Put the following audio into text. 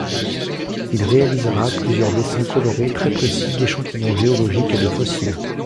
Il réalisera plusieurs dessins colorés très précis d’échantillons géologiques et de fossiles.